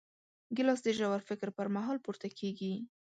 ګیلاس د ژور فکر پر مهال پورته کېږي.